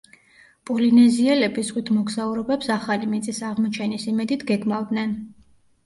პოლინეზიელები ზღვით მოგზაურობებს ახალი მიწის აღმოჩენის იმედით გეგმავდნენ.